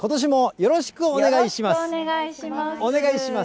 よろしくお願いします。